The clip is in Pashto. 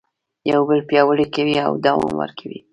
یو بل پیاوړي کوي او دوام ورکوي.